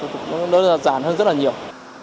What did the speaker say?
vậy giá thì nó giảm hơn rất là nhiều